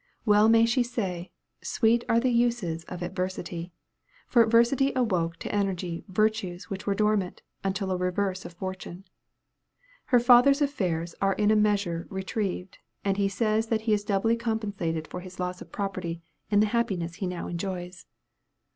Well may she say, "Sweet are the uses of adversity," for adversity awoke to energy virtues which were dormant, until a reverse of fortune. Her father's affairs are in a measure retrieved; and he says that he is doubly compensated for his loss of property in the happiness he now enjoys.